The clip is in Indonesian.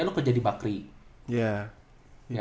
lu ke jadi bakri ya